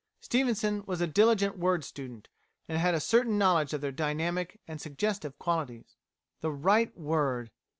Stevenson was a diligent word student, and had a certain knowledge of their dynamic and suggestive qualities. The right word!